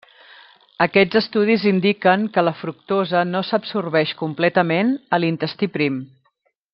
Aquests estudis indiquen que la fructosa no s'absorbeix completament a l'intestí prim.